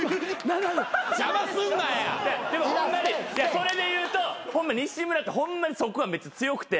それでいうと西村ってホンマにそこはめっちゃ強くて。